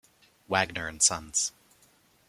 Wagner and Sons.